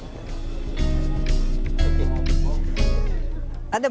ini untuk harga masuk